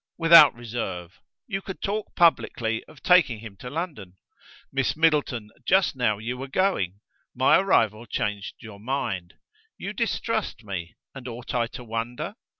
"Without reserve. You could talk publicly of taking him to London." "Miss Middleton, just now you were going. My arrival changed your mind. You distrust me: and ought I to wonder?